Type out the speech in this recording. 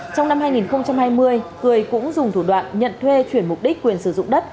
trong năm hai nghìn hai mươi cười cũng dùng thủ đoạn nhận thuê chuyển mục đích quyền sử dụng đất